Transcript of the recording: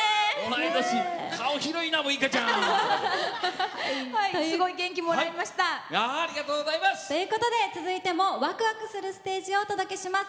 顔広いな、ウイカちゃん！ということで続いてもワクワクするステージをお届けします。